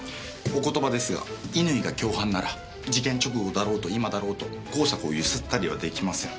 お言葉ですが乾が共犯なら事件直後だろうと今だろうと香坂をゆすったりは出来ません。